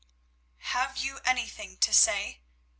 "Have you anything to say?"